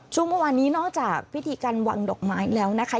เมื่อวานนี้นอกจากพิธีการวางดอกไม้แล้วนะคะ